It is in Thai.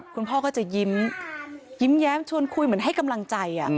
คุณพ่อก็จะยิ้มยิ้มแย้มชวนคุยเหมือนให้กำลังใจ